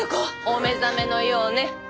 お目覚めのようね。